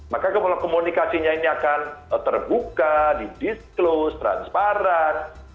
maka kalau komunikasinya ini akan terbuka di disclose transparan